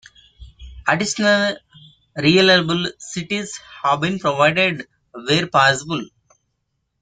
Additional reliable cites have been provided where possible.